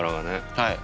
はい。